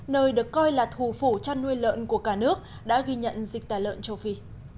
nơi được coi là thủ phủ chăn nuôi lợn của cả nước đã ghi nhận dịch tả lợn châu phi